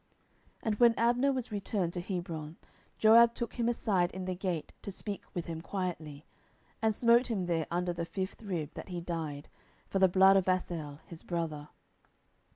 10:003:027 And when Abner was returned to Hebron, Joab took him aside in the gate to speak with him quietly, and smote him there under the fifth rib, that he died, for the blood of Asahel his brother.